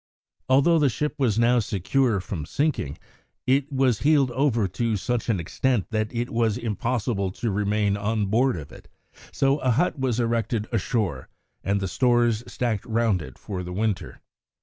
Although the ship was now secure from sinking, it was heeled over to such an extent that it was impossible to remain on board of it, so a hut was erected ashore, and the stores stacked round it for the winter.